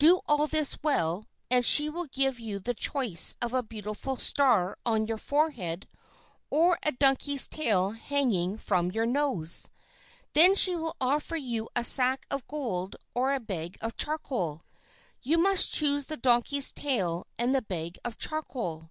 Do all this well, and she will give you the choice of a beautiful star on your forehead or a donkey's tail hanging from your nose. Then she will offer you a sack of gold or a bag of charcoal. You must choose the donkey's tail and the bag of charcoal."